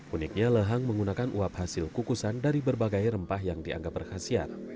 uniknya lehang menggunakan uap hasil kukusan dari berbagai rempah yang dianggap berkhasiat